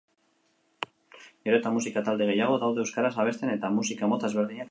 Gero eta musika talde gehiago daude euskaraz abesten eta musika mota ezberdinak egiten.